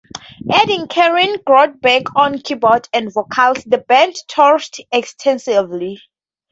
Adding Karen Grotberg on keyboards and vocals, the band toured extensively.